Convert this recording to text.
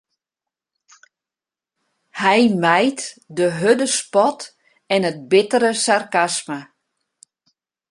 Hy mijt de hurde spot en it bittere sarkasme.